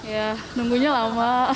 ya nunggunya lama